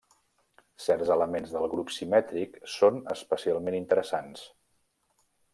Certs elements del grup simètric són especialment interessants.